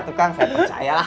ya tuh kan saya percaya lah